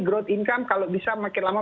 growth income kalau bisa makin lama